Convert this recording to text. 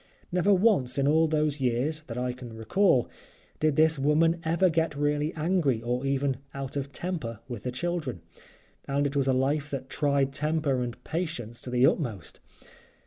Never once in all those years, that I can recall, did this woman ever get really angry or even out of temper with the children, and it was a life that tried temper and patience to the utmost.